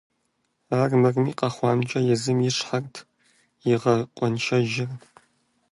Армырми, къэхъуамкӏэ езым и щхьэрт игъэкъуэншэжыр.